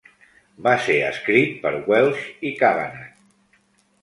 Va ser escrit per Welsh i Cavanagh.